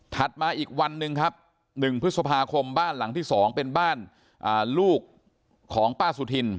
มาอีกวันหนึ่งครับ๑พฤษภาคมบ้านหลังที่๒เป็นบ้านลูกของป้าสุธิน